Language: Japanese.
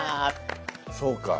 そうか。